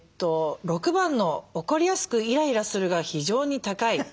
６番の「怒りやすくイライラする」が非常に高い。